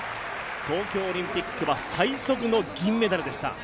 東京オリンピックは最速の銀メダルでした。